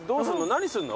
何すんの？